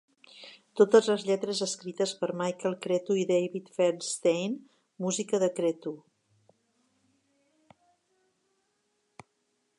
"Totes les lletres escrites per Michael Cretu i David Fairstein, música de Cretu.